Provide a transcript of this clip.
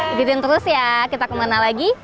ikutin terus ya kita kemana lagi